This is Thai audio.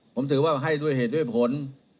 ผมถือว่าให้ด้วยเหตุด้วยผล